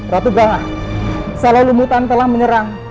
ratu branga salai lemutan telah menyerang